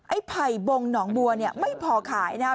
ไอ้ไผ่บงหนองบัวเนี่ยไม่พอขายนะฮะ